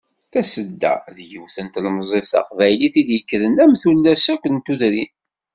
Tasedda, d yiwet n tlemẓit taqbaylit i d-yekkren am tullas akk n tudrin.